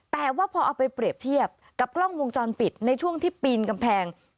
แต่ว่าพอเอาไปเปรียบเทียบกับกล้องวงจรปิดในช่วงที่ปีนกำแพง